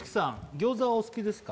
餃子はお好きですか？